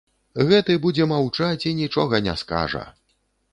Гэты будзе маўчаць і нічога не скажа.